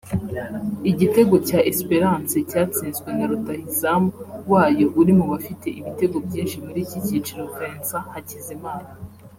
Igitego cya Esperance cyatsinzwe na rutahizamu wayo uri mu bafite ibitego byinshi muri iki cyiciro Vincent Hakizimana